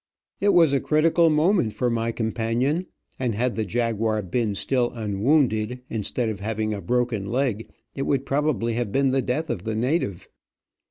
It was a critical moment for my companion, and had the jaguar been still un wounded, instead of having a broken leg, it would probably have been the death of the native.